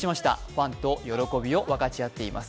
ファンと喜びを分かち合っています。